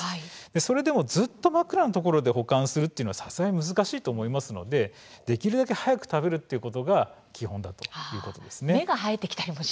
それでもずっと真っ暗なところで保管するというのはさすがに難しいと思いますのでできるだけ早く食べることが基本だと思います。